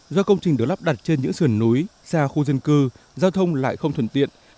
do công trình được lắp đặt trên những sườn núi xa khu dân cư giao thông lại không thuần tiện